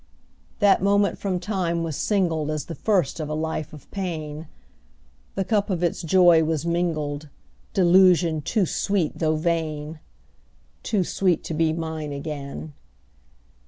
_10 3. That moment from time was singled As the first of a life of pain; The cup of its joy was mingled Delusion too sweet though vain! Too sweet to be mine again.